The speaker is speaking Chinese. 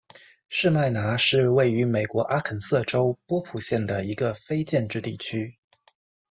士麦拿是位于美国阿肯色州波普县的一个非建制地区。